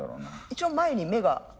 一応前に目が。